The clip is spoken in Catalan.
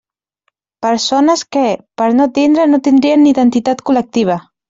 Persones que, per no tindre no tindrien ni identitat col·lectiva.